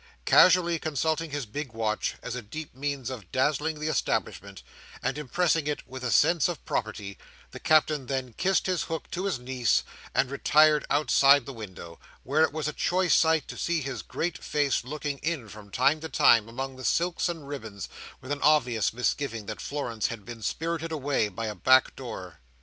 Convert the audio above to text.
Casually consulting his big watch, as a deep means of dazzling the establishment, and impressing it with a sense of property, the Captain then kissed his hook to his niece, and retired outside the window, where it was a choice sight to see his great face looking in from time to time, among the silks and ribbons, with an obvious misgiving that Florence had been spirited away by a back door.